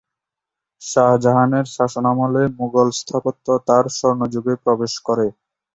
শাহজাহানের শাসনামলে মুঘল স্থাপত্য তার স্বর্ণযুগে প্রবেশ করে।